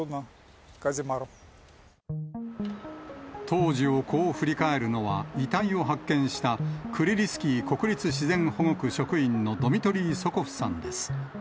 当時をこう振り返るのは、遺体を発見した、クリリスキー国立自然保護区職員のドミトリー・ソコフさんです。